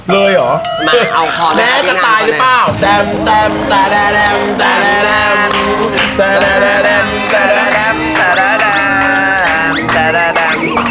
เลยเหรอแม้จะตายหรือเปล่า